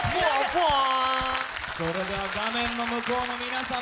それでは画面の向こうの皆様